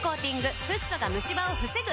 フッ素がムシ歯を防ぐ！